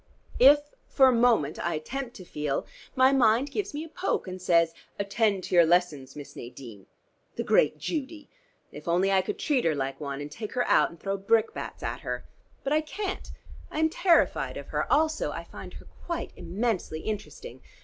If for a moment I attempt to feel, my mind gives me a poke and says 'attend to your lessons, Miss Nadine!' The great Judy! If only I could treat her like one, and take her out and throw brickbats at her. But I can't: I am terrified of her; also I find her quite immensely interesting.